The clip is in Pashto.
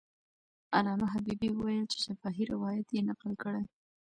علامه حبیبي وویل چې شفاهي روایت یې نقل کړی.